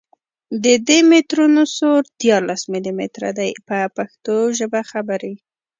د دي مترونو سور دیارلس ملي متره دی په پښتو ژبه خبرې.